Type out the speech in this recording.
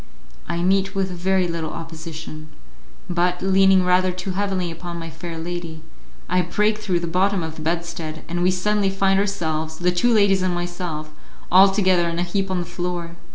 I meet with very little opposition, but, leaning rather too heavily upon my fair lady, I break through the bottom of the bedstead, and we suddenly find ourselves, the two ladies and myself, all together in a heap on the floor.